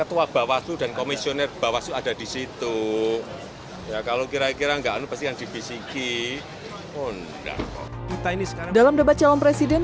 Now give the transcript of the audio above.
ada di situ ya kalau kira kira enggak pasti yang di bisiki undang undang dalam debat calon presiden